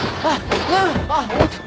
あっ！